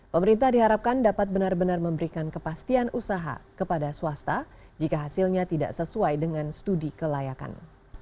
pemerintah diharapkan dapat benar benar memberikan kepastian usaha kepada swasta jika hasilnya tidak sesuai dengan studi kelayakan